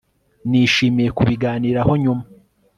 nishimiye kubiganiraho nyuma